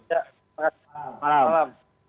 ya selamat malam